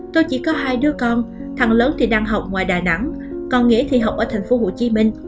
tôi chỉ có hai đứa con thằng lớn thì đang học ngoài đà nẵng con nghĩa thì học ở tp hcm